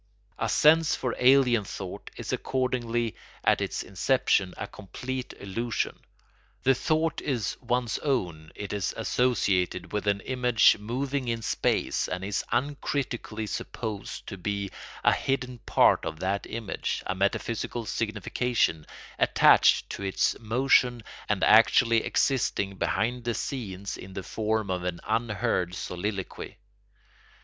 A sense for alien thought is accordingly at its inception a complete illusion. The thought is one's own, it is associated with an image moving in space, and is uncritically supposed to be a hidden part of that image, a metaphysical signification attached to its motion and actually existing behind the scenes in the form of an unheard soliloquy.